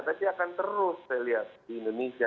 tapi akan terus saya lihat di indonesia